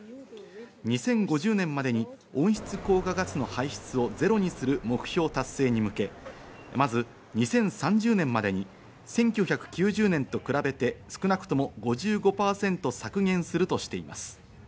２０５０年までに温室効果ガスの排出をゼロにする目標達成に向け、まず２０３０年までに１９９０年と比べて、少なくとも５５％削減するとしています。